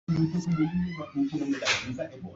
sehemu nyingine za bara la Afrika na nje ya